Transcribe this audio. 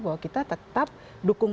bahwa kita tetap dukung